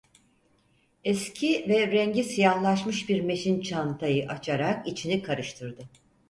Eski ve rengi siyahlaşmış bir meşin çantayı açarak içini karıştırdı.